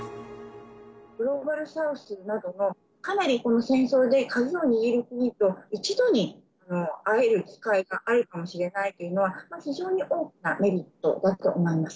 グローバルサウスなどのかなり、この戦争で鍵を握る国と、一度に会える機会があるかもしれないというのは、非常に大きなメリットだと思います。